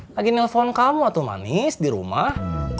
lagi nelfon kamu waktu manis di rumah